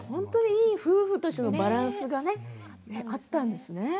夫婦としてのいいバランスが、あったんですね。